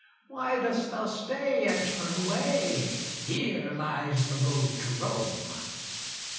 Why dost thou stay, and turn away? Here lies the road to Rome."